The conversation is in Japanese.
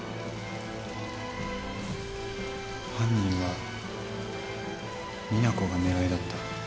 犯人は実那子が狙いだった。